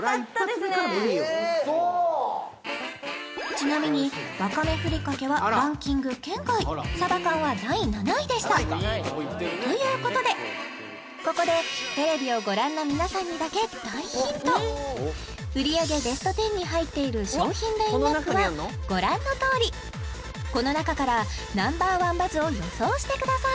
ちなみにわかめふりかけはランキング圏外鯖缶は第７位でしたということでここでテレビをご覧の皆さんにだけ大ヒント売り上げベスト１０に入っている商品ラインナップはご覧のとおりこの中からＮｏ．１バズを予想してください